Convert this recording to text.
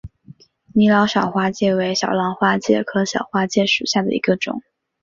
李老小花介为小浪花介科小花介属下的一个种。